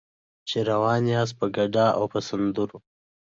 چې روان یاست په ګډا او په سندرو.